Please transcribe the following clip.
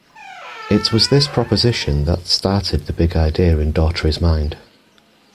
It was this proposition that started the big idea in Daughtry's mind.